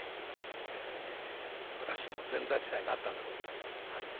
私にも前座時代があったんでございますよ。